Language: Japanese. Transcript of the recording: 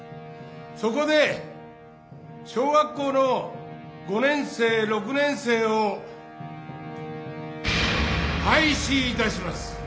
そこで小学校の５年生６年生を廃止いたします」。